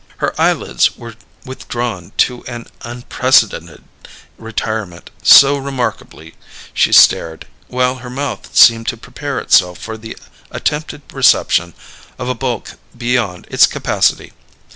Her eyelids were withdrawn to an unprecedented retirement, so remarkably she stared; while her mouth seemed to prepare itself for the attempted reception of a bulk beyond its capacity.